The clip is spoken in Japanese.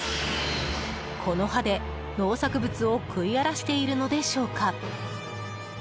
この歯で、農作物を食い荒らしているのでしょうか。